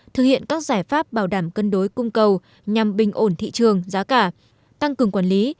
thực hiện các giải pháp bảo đảm cân đối cung cầu nhằm bình ổn thị trường giá cả tăng cường quản lý